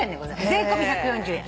税込み１４０円。